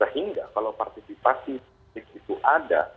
sehingga kalau partisipasi publik itu ada